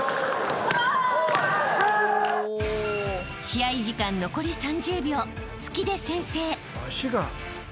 ［試合時間残り３０秒突きで先制］